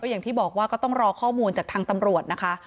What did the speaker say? อย่างที่บอกว่าก็ต้องรอข้อมูลจากทางตำรวจนะคะ